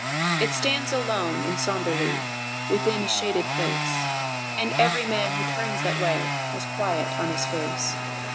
It stands alone and somberly Within a shaded place, And every man who turns that way Has quiet on his face.